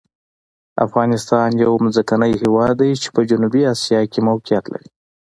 افغانستان یو ځمکني هېواد دی چې په جنوبي آسیا کې موقعیت لري.